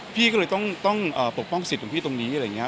พี่ก็เลยต้องปกป้องสิทธิ์ของพี่ตรงนี้อะไรอย่างนี้